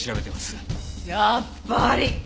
やっぱり！